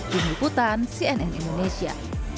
dini putan cnn indonesia